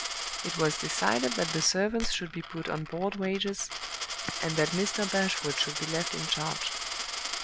It was decided that the servants should be put on board wages, and that Mr. Bashwood should be left in charge.